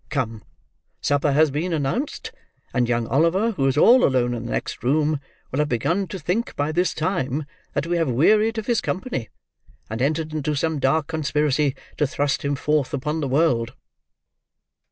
Come! Supper has been announced, and young Oliver, who is all alone in the next room, will have begun to think, by this time, that we have wearied of his company, and entered into some dark conspiracy to thrust him forth upon the world."